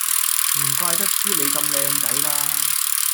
唔怪得知你咁靚仔啦